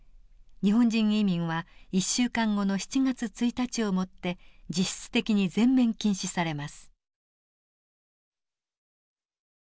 日本人移民は１週間後の７月１日をもって実質的に全面禁止されます。